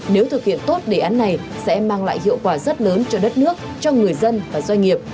nếu thực hiện tốt đề án này sẽ mang lại hiệu quả rất lớn cho đất nước cho người dân và doanh nghiệp